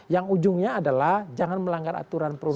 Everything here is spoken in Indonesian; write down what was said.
yang ujungnya adalah jangan melanggar aturan perusahaan